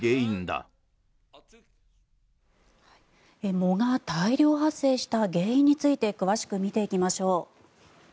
藻が大量発生した原因について詳しく見ていきましょう。